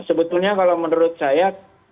sebenarnya kalau menurut saya